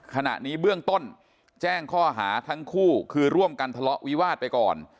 ขณะนี้เบื้องต้นแจ้งข้อหาทั้งคู่คือร่วมกันทะเลาะวิวาสไปก่อน